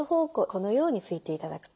このように拭いて頂く。